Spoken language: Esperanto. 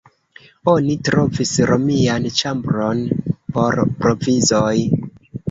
Oni trovis romian ĉambron por provizoj.